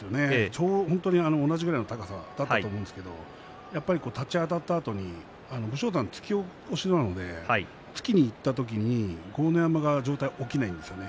ちょうど同じぐらいの高さだったと思うんですけれども立ち上がったあとに武将山は突き起こしなので突きにいった時に豪ノ山の上体が起きないんですよね。